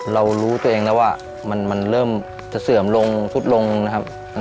เรารู้ตัวเองแล้วว่ามันเริ่มจะเสื่อมลงสุดลงนะครับ